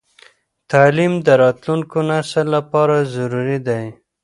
تعليم د راتلونکي نسل لپاره ضروري دی.